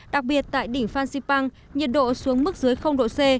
đặc biệt tại đỉnh phan xipang nhiệt độ xuống mức dưới độ c